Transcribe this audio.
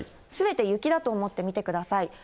すべて雪だと思って見てください。